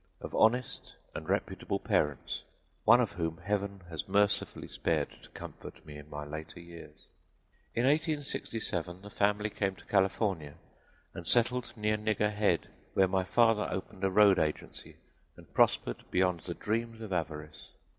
of honest and reputable parents, one of whom Heaven has mercifully spared to comfort me in my later years. In 1867 the family came to California and settled near Nigger Head, where my father opened a road agency and prospered beyond the dreams of avarice.